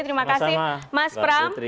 terima kasih mas pram